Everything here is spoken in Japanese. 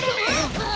ああ。